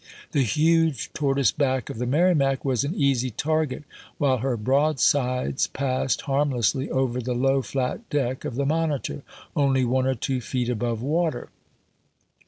The huge tortoise back of the Merrimac was an easy target, while her broadsides passed harmlessly over the low, flat deck of the Monitor, only one or two feet above water.